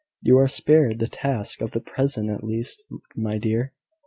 You are spared the task for the present at least, my dear!"